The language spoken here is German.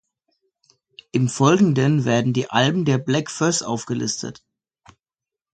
Im Folgenden werden die Alben der Bläck Fööss aufgelistet.